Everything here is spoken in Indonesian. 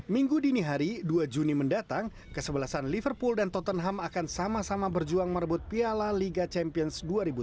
minggu dini hari dua juni mendatang kesebelasan liverpool dan tottenham akan sama sama berjuang merebut piala liga champions dua ribu sembilan belas